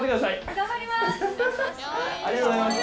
頑張ります